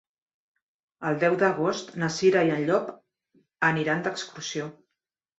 El deu d'agost na Cira i en Llop aniran d'excursió.